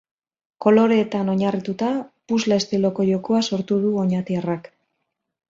Koloreetan oinarrituta, puzzle estiloko jokoa sortu du oñatiarrak.